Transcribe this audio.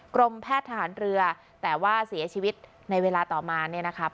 กรมแพทย์ทหารเรือแต่ว่าเสียชีวิตในเวลาต่อมาเนี่ยนะครับ